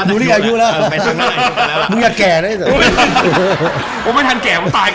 บ๊วยพ่อธีระสงค์